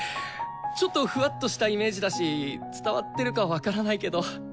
ちょっとふわっとしたイメージだし伝わってるか分からないけど。